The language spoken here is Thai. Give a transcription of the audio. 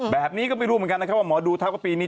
แบบนี้ก็ไม่รู้เหมือนกันนะครับว่าหมอดูเท่ากับปีนี้